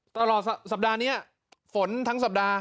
ตลอดสัปดาห์นี้ฝนทั้งสัปดาห์